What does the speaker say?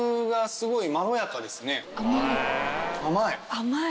甘い！